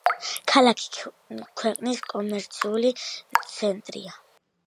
ქალაქი ქვეყნის კომერციული ცენტრია.